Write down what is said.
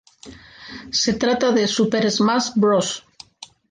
Se trata de "Super Smash Bros.